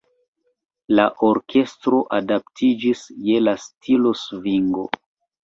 La orkestro adaptiĝis je la stilo "svingo".